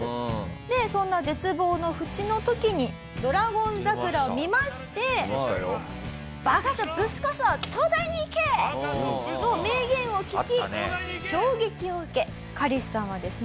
そんな絶望の淵の時に『ドラゴン桜』を見まして「バカとブスこそ東大に行け！」の名言を聞き衝撃を受けカリスさんはですね